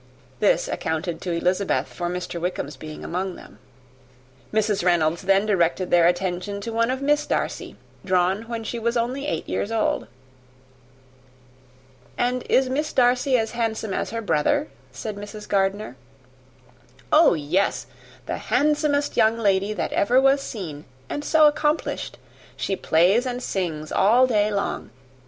This accounted to Elizabeth for Mr. Wickham's being among them. Mrs. Reynolds then directed their attention to one of Miss Darcy, drawn when she was only eight years old. "And is Miss Darcy as handsome as her brother?" said Mr. Gardiner. "Oh, yes the handsomest young lady that ever was seen; and so accomplished! She plays and sings all day long.